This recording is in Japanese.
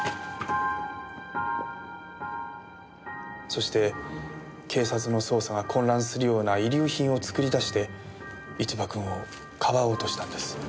そして警察の捜査が混乱するような遺留品を作り出して一場君をかばおうとしたんです。